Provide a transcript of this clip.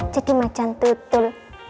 jadi macan tutul